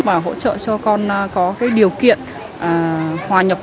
và hỗ trợ cho con có điều kiện hòa nhập cơ